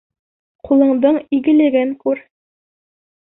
Ҡулыңдың игелеген күр!